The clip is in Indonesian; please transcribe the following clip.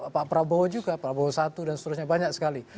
pak prabowo juga prabowo satu dan seterusnya banyak sekali